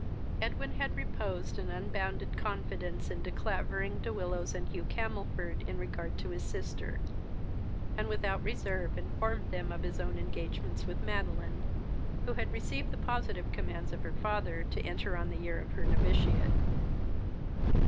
Edwin had reposed an unbounded confidence in De Clavering, De Willows, and Hugh Camelford, in regard to his sister, and without reserve informed them of his own engagements with Madeline, who had received the positive commands of her father to enter on the year of her noviciate.